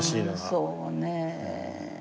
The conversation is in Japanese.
そうね。